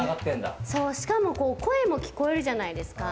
しかも声も聞こえるじゃないですか？